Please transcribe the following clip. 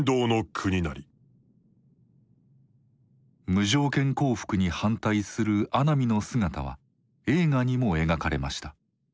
無条件降伏に反対する阿南の姿は映画にも描かれました。